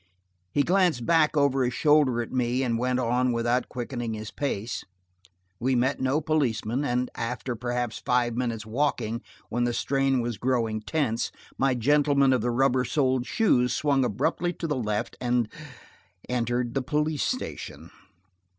He glanced back over his shoulder at me and went on without quickening his pace. We met no policemen, and after perhaps five minutes walking, when the strain was growing tense, my gentleman of the rubber soled shoes swung abruptly to the left, and–entered the police station!